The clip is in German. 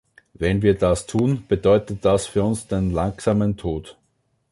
Wenn wir das tun, bedeutet das für uns den langsamen Tod.